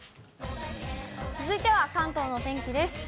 続いては関東のお天気です。